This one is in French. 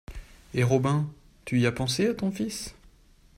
Et Robin, tu y as pensé à ton fils?